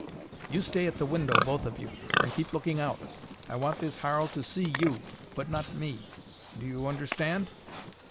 "You stay at the window, both of you, and keep looking out. I want this Harl to see you, but not me. Do you understand?"